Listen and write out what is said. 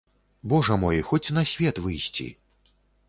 Божа мой, хоць на свет выйсці.